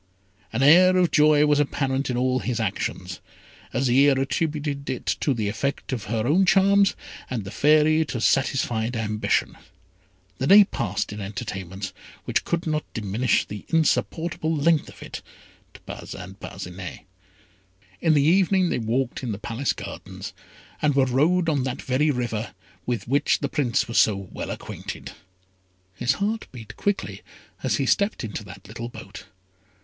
An air of joy was apparent in all his actions. Azire attributed it to the effect of her own charms, and the Fairy to satisfied ambition. The day passed in entertainments which could not diminish the insupportable length of it to Parcin Parcinet. In the evening they walked in the Palace gardens, and were rowed on that very river with which the Prince was so well acquainted. His heart beat quickly as he stepped into that little boat.